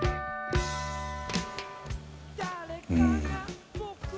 うん。